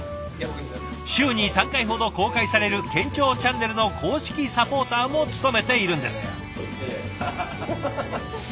週に３回ほど公開される県庁チャンネルの公式サポーターも務めているんです。